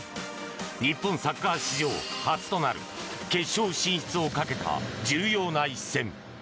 日本サッカー史上初となる決勝進出をかけた重要な一戦。